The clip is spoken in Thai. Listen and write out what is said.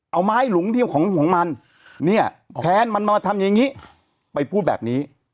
เอาไม้หลุมเที่ยวของมันเนี่ยแค้นมันมาทำอย่างนี้ไปพูดแบบนี้